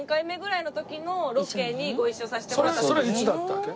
それいつだったわけ？